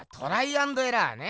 アンドエラーね！